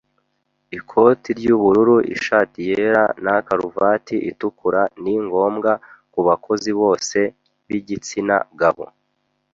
Ikoti ry'ubururu, ishati yera na karuvati itukura ni ngombwa kubakozi bose b'igitsina gabo.